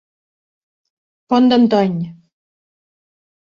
Pont d'Antony.